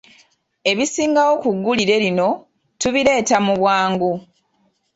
Ebisingawo ku ggulire lino, tubireeta mu bwangu.